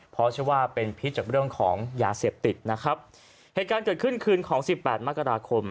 เพราะเชื่อว่าเป็นพิษจากเรื่องของยาเสพติดนะครับเหตุการณ์เกิดขึ้นคืนของสิบแปดมกราคม